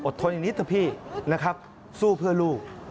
อดทนอย่างนิดเถอะพี่สู้เพื่อลูก